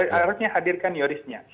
harusnya hadirkan yorisnya